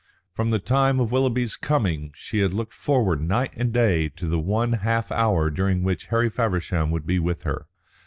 From the time of Willoughby's coming she had looked forward night and day to the one half hour during which Harry Feversham would be with her.